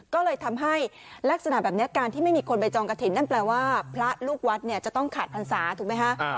ก็เลยทำให้ลักษณะแบบนี้การที่ไม่มีคนไปจองกระถิ่นนั่นแปลว่าพระลูกวัดเนี่ยจะต้องขาดพรรษาถูกไหมคะ